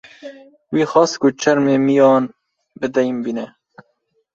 wî xwest ku çermê miyan bi deyn bîne